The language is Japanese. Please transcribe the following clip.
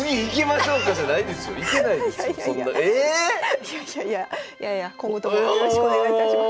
⁉いやいやいやいやいや今後ともよろしくお願いいたします。